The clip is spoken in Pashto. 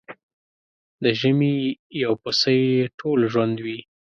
د ژمي يو پسه يې ټول ژوند وي.